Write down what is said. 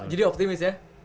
jadi optimis ya